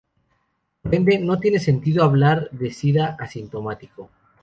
Por ende no tiene sentido hablar de "sida asintomático".